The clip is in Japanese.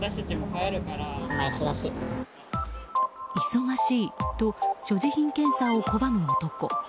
忙しいと、所持品検査を拒む男。